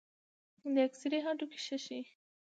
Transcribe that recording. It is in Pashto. د ایکسرې هډوکي ښه ښيي.